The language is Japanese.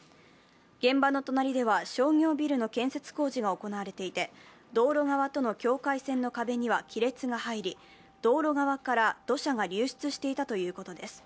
現場の隣では商業ビルの建設工事が行われていて道路側との境界線の壁には亀裂が入り、道路側から土砂が流出していたということです。